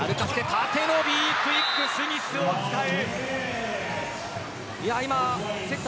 縦のＢクイック、スミスを使う。